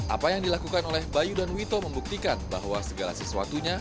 apa yang dilakukan oleh bayu dan wito membuktikan bahwa segala sesuatunya